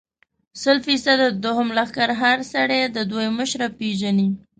سل فیصده، د دوهم لښکر هر سړی د دوی مشره پېژني.